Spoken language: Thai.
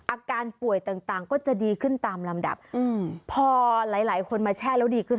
อาการป่วยต่างต่างก็จะดีขึ้นตามลำดับอืมพอหลายหลายคนมาแช่แล้วดีขึ้น